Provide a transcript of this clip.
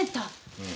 うん。